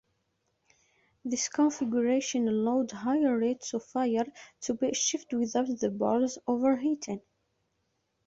This configuration allowed higher rates of fire to be achieved without the barrels overheating.